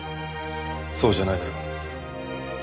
そうじゃないだろ。